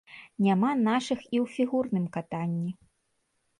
Няма нашых і ў фігурным катанні.